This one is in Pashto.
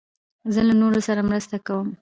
زه له نورو سره مرسته کوم.